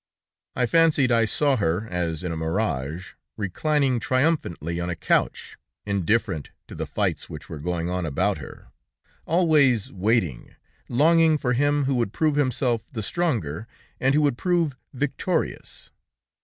I fancied I saw her, as in a mirage, reclining triumphantly on a couch, indifferent to the fights which were going on about her, always waiting longing for him who would prove himself the stronger, and who would prove victorious.